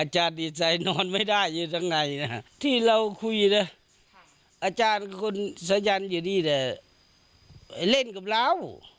อาจารย์ดีใจนอนไม่ได้อยู่ทั้งในที่เราคุยแล้วอาจารย์คนสะยันอยู่นี่แหละเล่นกับเรา